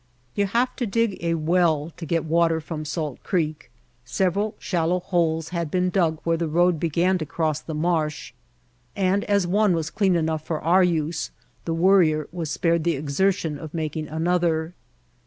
You have to dig a well to get the water from Salt Creek. Several shallow holes had been dug where the road began to cross the marsh, and, as one was clean enough for our use, the Worrier was spared the exertion of making an other.